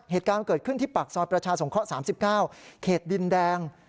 เหตุการณ์เกิดขึ้นที่ปากซอยประชาสงเคราะห์๓๙เขตดินแดง